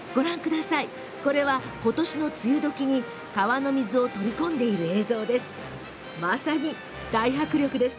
ことしの梅雨時に川の水を取り込んでいる映像です。